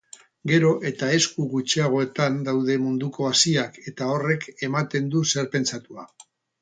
Gero eta esku gutxiagoetan daude munduko haziak eta horrek ematen du zer pentsatua.